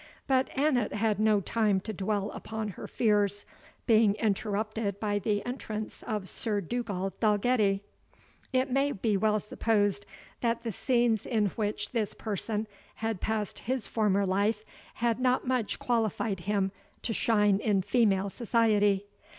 But Annot had no time to dwell upon her fears, being interrupted by the entrance of Sir Dugald Dalgetty. It may well be supposed, that the scenes in which this person had passed his former life, had not much qualified him to shine in female society.